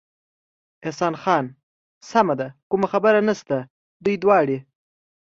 احسان خان: سمه ده، کومه خبره نشته، دوی دواړې.